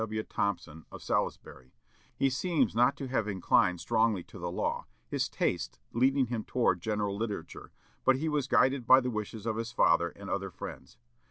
W. Thompson, of Salisbury. He seems not to have inclined strongly to the law, his tastes leading him toward general literature, but he was guided by the wishes of his father and other friends.